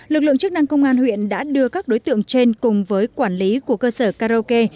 lực lượng chức năng công an huyện đã đưa các đối tượng trên cùng với quản lý của cơ sở karaoke